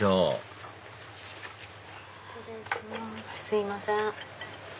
すいません。